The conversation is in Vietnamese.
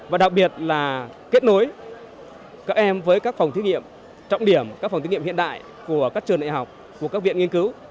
và đặc biệt là kết nối các em với các phòng thí nghiệm trọng điểm các phòng thí nghiệm hiện đại của các trường đại học của các viện nghiên cứu